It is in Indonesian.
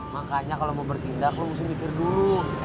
makanya kalau mau bertindak lo mesti mikir dulu